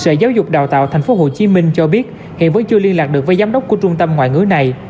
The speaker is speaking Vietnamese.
sở giáo dục đào tạo thành phố hồ chí minh cho biết hiện vẫn chưa liên lạc được với giám đốc của trung tâm ngoại ngữ này